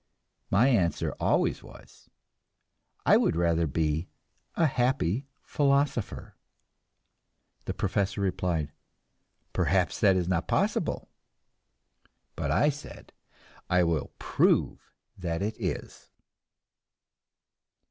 My answer always was: "I would rather be a happy philosopher." The professor replied: "Perhaps that is not possible." But I said: "I will prove that it is!"